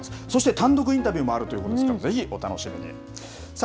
そして単独インタビューもあるということですからぜひご覧ください。